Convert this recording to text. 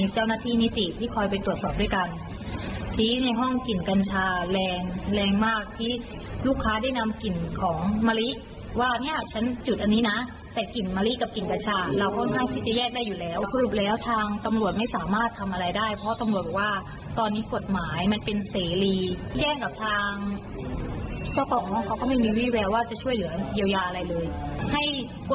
เดี๋ยวเดี๋ยวเอาทีละเรื่องเอาทีละเรื่องขอบใจ